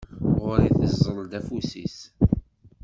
Ɣur-i teẓẓel-d afus-is.